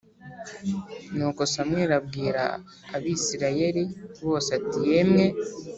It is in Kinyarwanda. Nuko Samweli abwira Abisirayeli bose ati Yemwe